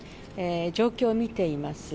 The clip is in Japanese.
状況を見ています。